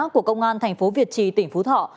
của công an thành phố việt trì tỉnh phú thọ